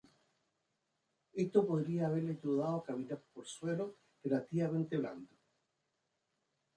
Esto podría haberle ayudado a caminar por suelo relativamente blando.